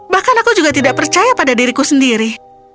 bahkan aku juga tidak percaya pada diriku sendiri